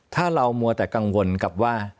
ถ้าเรามัวแต่กังวลกับว่า